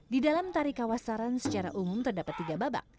di dalam tari kawasaran secara umum terdapat tiga babak